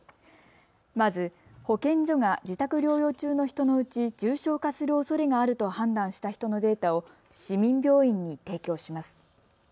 まず保健所が自宅療養中の人のうち重症化するおそれがあると判断した人のデータを市民病院に提供します。